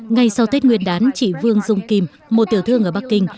ngay sau tết nguyên đán chị vương dung kim một tiểu thương ở bắc kinh